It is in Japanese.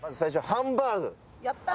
やったー。